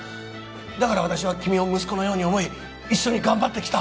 だから私は君を息子のように思い一緒に頑張ってきた